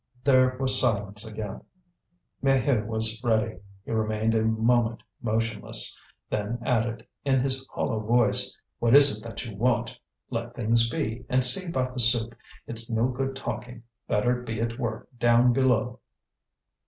There was silence again. Maheu was ready. He remained a moment motionless, then added, in his hollow voice: "What is it that you want? Let things be, and see about the soup. It's no good talking, better be at work down below."